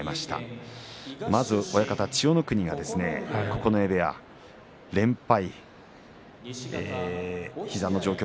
まず親方、千代の国九重部屋、連敗。